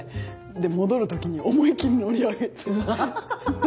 戻る時に思いっきり乗り上げて。